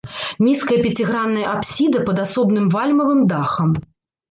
Нізкая пяцігранная апсіда пад асобным вальмавым дахам.